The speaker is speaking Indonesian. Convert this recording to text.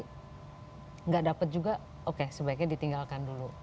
tidak dapat juga oke sebaiknya ditinggalkan dulu